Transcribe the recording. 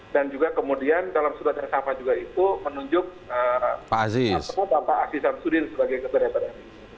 dan juga kemudian dalam surat yang sama juga itu menunjuk pak asis dan pak asisan sudir sebagai ketua dpr ri